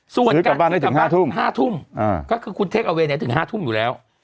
ซื้อกลับบ้านได้ถึง๕ทุ่มคือคุณเทคเอาเวย์ถึง๕ทุ่มอยู่แล้ว